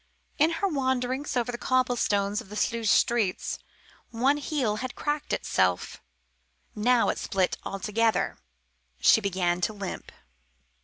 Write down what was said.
In her wanderings over the cobblestones of Sluys streets one heel had cracked itself. Now it split altogether. She began to limp.